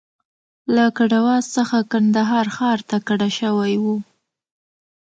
له کټواز څخه کندهار ښار ته کډه شوی و.